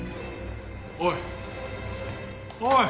おいおい！